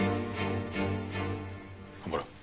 蒲原。